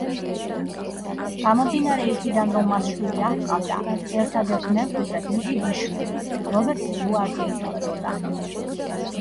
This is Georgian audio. გამომდინარე იქიდან, რომ მას შვილი არ ჰყავდა, ერთადერთ მემკვიდრედ მისი დისშვილი, რობერტ სტიუარტი ითვლებოდა.